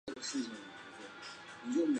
常见于轮船螺旋桨和泵桨叶的边缘。